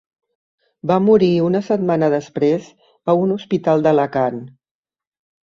Va morir una setmana després a un hospital d'Alacant.